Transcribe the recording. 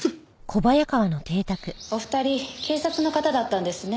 お二人警察の方だったんですね。